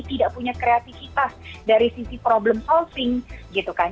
tidak punya kreativitas dari sisi problem solving gitu kan